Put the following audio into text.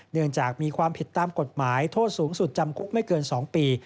เนื่องจากมีความผิดตามกฎหมายโทษสูงสุดจำคุกไม่เกิน๒ปี